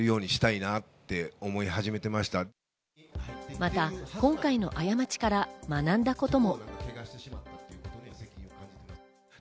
また今回の過ちから学んだことも。